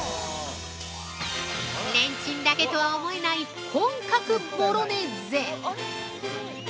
レンチンだけとは思えない、本格ボロネーゼ。